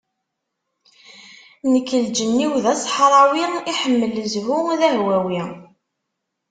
Nekk lǧenn-iw d aṣeḥrawi, iḥemmel zzhu, d ahwawi.